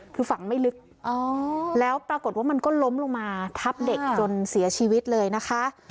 คือฝังไม่ลึกแล้วปรากฏว่ามันก็ล้มลงมาทับเด็กจนเสียชีวิตเลยนะคะ